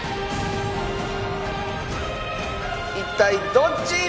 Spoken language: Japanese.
一体どっち？